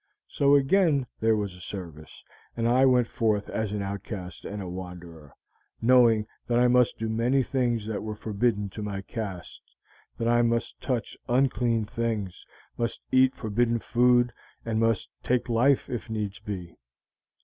So again there was a service, and I went forth as an outcast and a wanderer, knowing that I must do many things that were forbidden to my caste; that I must touch unclean things, must eat forbidden food, and must take life if needs be.